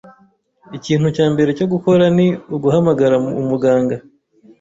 Ikintu cya mbere cyo gukora ni uguhamagara umuganga.